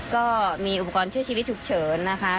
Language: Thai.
ก็มีอุปกรณ์ช่วยชีวิตฉุกเฉินนะคะ